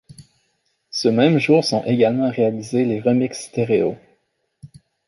Ce même jour sont également réalisés les remixes stéréo.